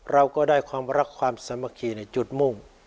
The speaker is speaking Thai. เราก็ได้ความรักความสามัคคีในจุดมุ่ง